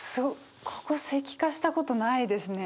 ここ石化したことないですね。